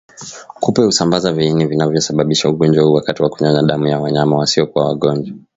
Kupe husambaza viini vinavyosababisha ugonjwa huu wakati wa kunyonya damu ya wanyama wasiokuwa wagonjwa